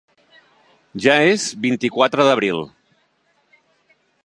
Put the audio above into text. Ja és vint-i-quatre d'abril.